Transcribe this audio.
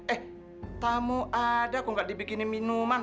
eh tamu ada kok nggak dibikinin minuman